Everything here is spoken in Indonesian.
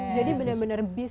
jadi benar benar bisnis